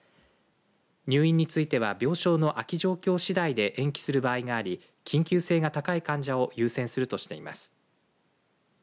入院については病床の空き状況次第で延期する場合があり緊急性が高い患者を優先するとしています。